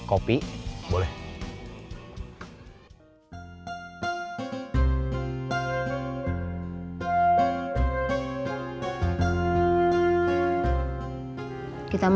oh ini dia